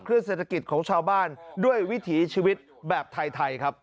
เศรษฐกิจของชาวบ้านด้วยวิถีชีวิตแบบไทยครับ